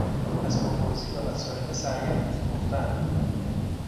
اسباب بازی و وسایل سرگرمی فروختن